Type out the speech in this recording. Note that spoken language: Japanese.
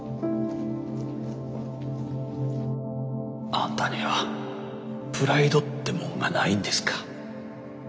あんたにはプライドってもんがないんですか。